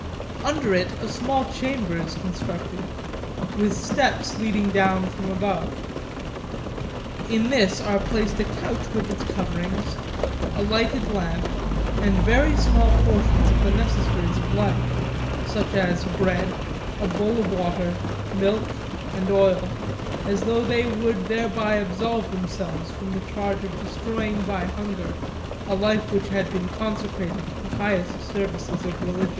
Under it a small chamber is con structed, with steps leading down from above. In this are placed a couch with its coverings, a lighted lamp, and very small portions of the necessaries of life, such as bread, a bowl of water, milk, and oil, as though they would thereby absolve themselves from the charge of destroying by hunger a life which had been consecrated to the highest services of religion.